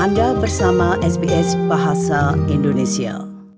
anda bersama sps bahasa indonesia